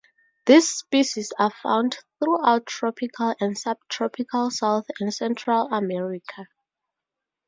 These species are found throughout tropical and subtropical South and Central America.